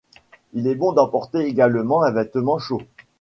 Il est bon d’emporter également un vêtement chaud.